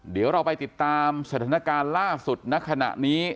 เดี๋ยวเราไปติดตามสถานการณ์ล่าสุดณขณะนี้